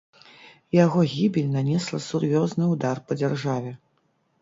Яго гібель нанесла сур'ёзны ўдар па дзяржаве.